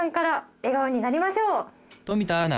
冨田アナ